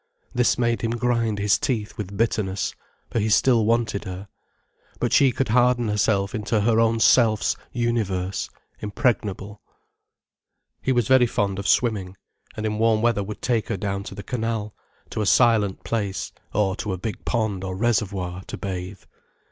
This made him grind his teeth with bitterness, for he still wanted her. But she could harden herself into her own self's universe, impregnable. He was very fond of swimming, and in warm weather would take her down to the canal, to a silent place, or to a big pond or reservoir, to bathe.